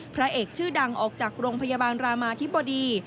พระเอกชื่อดังออกจากโรงพยาบาลรามาธิบดี